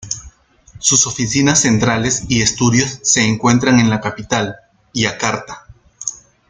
Sus oficinas centrales y estudios se encuentran en la capital, Yakarta.